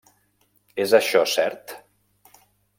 És això cert?